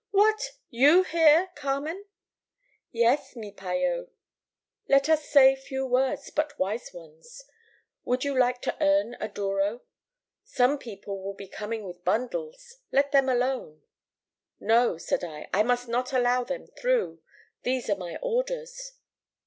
"'What! you here, Carmen?' "'Yes, mi payllo. Let us say few words, but wise ones. Would you like to earn a douro? Some people will be coming with bundles. Let them alone.' "'No,' said I, 'I must not allow them through. These are my orders.